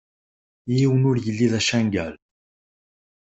Yiwen ur yelli d acangal.